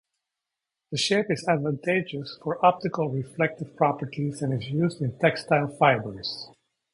The shape is advantageous for optical reflective properties and is used in textile fibers.